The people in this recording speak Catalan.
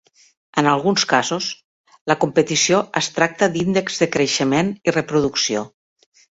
En alguns casos, la competició es tracta de índexs de creixement i reproducció.